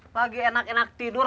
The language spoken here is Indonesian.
pagi enak enak tidur